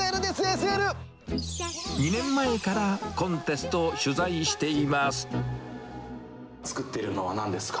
２年前からコンテストを取材作っているのは、なんですか。